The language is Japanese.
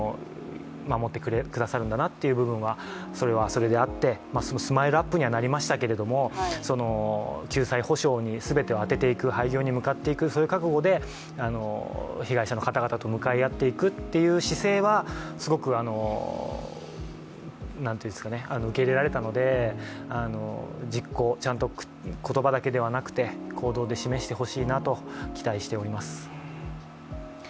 守ってくださるんだなという部分はそれはそれであって、ＳＭＩＬＥ−ＵＰ．にはなりましたけれども救済補償に全てを充てていく、廃業に充てていく、そういう覚悟で被害者の方々と向かい合っていくという姿勢はすごく受け入れられたので言葉だけではなくて行動で示してほしいなと期待しております。